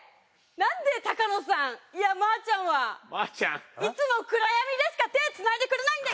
なんで高野さんいやまーちゃんはいつも暗闇でしか手つないでくれないんだよ！